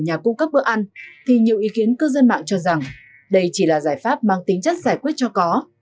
nhà cung cấp bữa ăn thì nhiều ý kiến cư dân mạng cho rằng đây chỉ là giải pháp mang tính chất giải quyết cho có